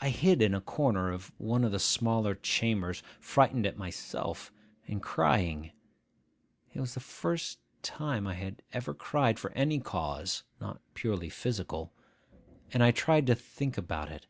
I hid in a corner of one of the smaller chambers, frightened at myself, and crying (it was the first time I had ever cried for any cause not purely physical), and I tried to think about it.